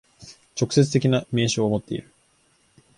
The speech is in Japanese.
直接的な明証をもっている。